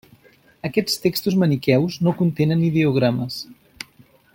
Aquests textos maniqueus no contenen ideogrames.